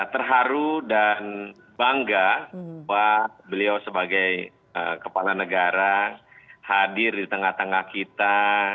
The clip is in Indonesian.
terharu dan bangga bahwa beliau sebagai kepala negara hadir di tengah tengah kita